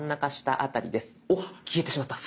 おっ消えてしまった。